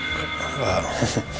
terima kasih banyak